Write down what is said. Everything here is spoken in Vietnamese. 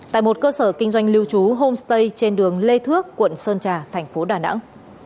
tại một cơ sở kinh doanh lưu trú homestay trên đường lê thước quận sơn trà thành phố đà nẵng